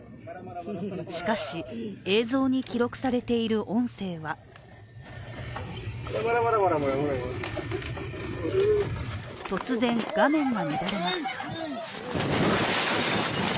しかし、映像に記録されている音声は突然、画面が乱れます。